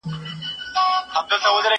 زه کولای سم بازار ته ولاړ سم،